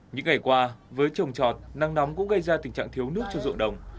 những ngày qua với trồng trọt nắng nóng cũng gây ra tình trạng thiếu nước cho ruộng đồng